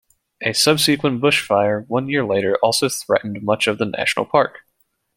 A subsequent bushfire one year later also threatened much of the national park.